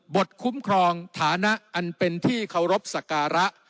คุ้มครองฐานะอันเป็นที่เคารพสักการะ